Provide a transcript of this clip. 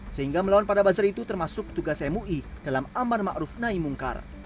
sehingga melawan para buzzer itu termasuk tugas mui dalam amar ma'ruf naimungkar